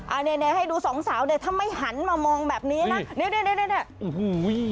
อ่าเนี่ยให้ดูสองสาวเนี่ยถ้าไม่หันมามองแบบนี้นะนี่เนี่ยเนี่ยเนี่ยเนี่ยโอ้โห